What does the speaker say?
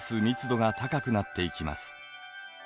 密度が高くなっていきます。